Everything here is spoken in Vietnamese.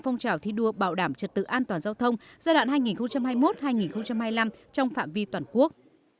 phong trào thi đua bảo đảm trật tự an toàn giao thông giai đoạn hai nghìn hai mươi một hai nghìn hai mươi năm trong phạm vi toàn quốc